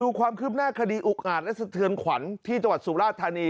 ความคืบหน้าคดีอุกอาจและสะเทือนขวัญที่จังหวัดสุราธานี